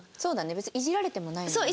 別にいじられてもないのにね。